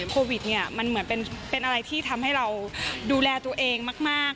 โควิดเนี่ยมันเหมือนเป็นอะไรที่ทำให้เราดูแลตัวเองมาก